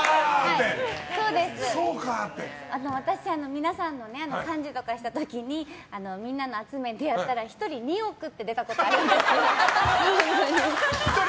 私、皆さんの幹事とかした時にみんなの集めてやったら１人２億って出たことがあります。